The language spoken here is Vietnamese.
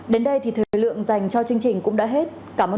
đến đây thì thời lượng dành cho chương trình cũng đã hết